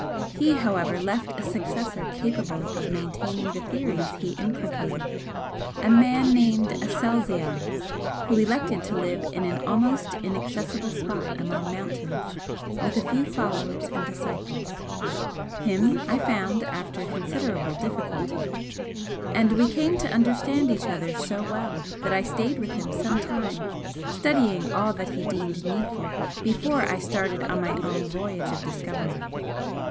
He, however, left a successor capable of maintaining the theories he inculcated, a man named Aselzion, who elected to live in an almost inaccessible spot among mountains with a few followers and disciples. Him I found after considerable difficulty and we came to understand each other so well that I stayed with him some time studying all that he deemed needful before I started on my own voyage of discovery.